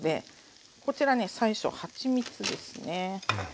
こちらね最初はちみつですね。